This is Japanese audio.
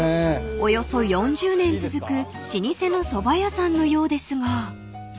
［およそ４０年続く老舗のそば屋さんのようですが］